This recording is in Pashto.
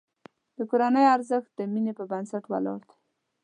د کورنۍ ارزښت د مینې په بنسټ ولاړ دی.